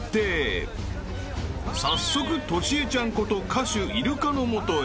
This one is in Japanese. ［早速トシエちゃんこと歌手イルカの元へ］